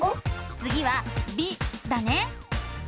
つぎは「び」だね。